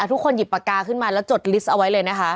ทุกคนหยิบปากกาขึ้นมาแล้วจดลิสต์เอาไว้เลยนะคะ